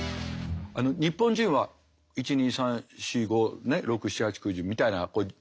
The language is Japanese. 日本人は１２３４５６７８９１０みたいな指でこうやる。